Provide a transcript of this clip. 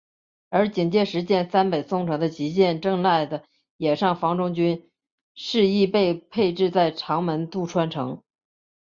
而警戒石见三本松城的吉见正赖的野上房忠军势亦被配置在长门渡川城。